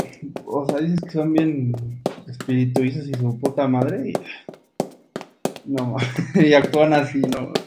Su música se la puede clasificar dentro de la llamada música "indie pop".